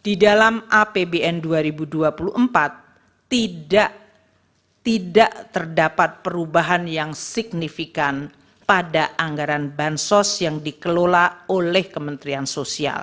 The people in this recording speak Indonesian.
di dalam apbn dua ribu dua puluh empat tidak terdapat perubahan yang signifikan pada anggaran bansos yang dikelola oleh kementerian sosial